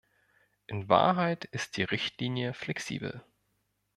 In Wahrheit ist die Richtlinie flexibel.